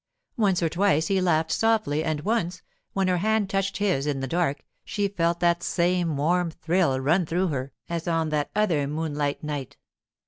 Once or twice he laughed softly, and once, when her hand touched his in the dark, she felt that same warm thrill run through her as on that other moonlight night.